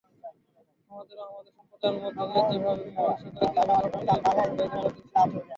আমাদের ও আমাদের সম্প্রদায়ের মধ্যে ন্যায্যভাবে মীমাংসা করে দিন এবং আপনিই মীমাংসাকারীদের মধ্যে শ্রেষ্ঠ।